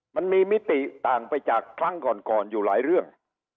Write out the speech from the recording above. มิติต่างไปจากครั้งก่อนอยู่หลายเรื่อง